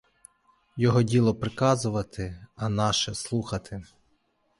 Його діло приказувати, а наше слухати.